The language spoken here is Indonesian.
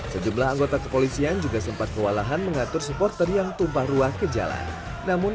sejumlah anggota kepolisian juga sempat kewalahan mengatur supporter yang tumpah ruah ke jalan namun